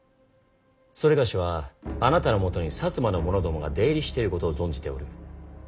某はあなたのもとに摩の者どもが出入りしていることを存じておる。